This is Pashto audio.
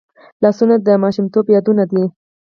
لاسونه د ماشومتوب یادونه ده